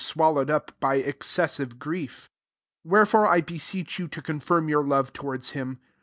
swallowed up by excessive grief. 8 Where fore I beseech you Co confirm yowr love towards him.